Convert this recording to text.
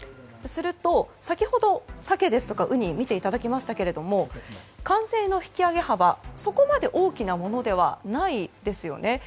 すると、先ほどサケやウニを見ていただきましたが関税の引き上げ幅は、そこまで大きなものではないですよね。